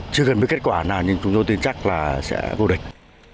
chưa gần với kết quả nào nhưng chúng tôi tin chắc là sẽ vô địch